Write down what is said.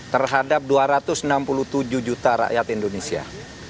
terhadap dua ratus enam puluh tujuh juta rakyat indonesia